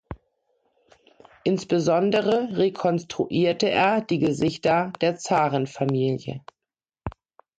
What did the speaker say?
Insbesondere rekonstruierte er die Gesichter der Zarenfamilie.